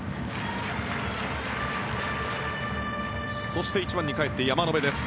そして１番に帰って山野辺です。